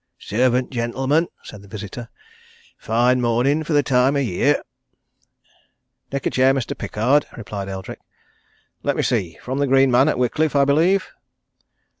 "Servant, gentlemen," said the visitor. "Fine morning for the time of year!" "Take a chair, Mr. Pickard," replied Eldrick. "Let me see from the Green Man, at Whitcliffe, I believe?"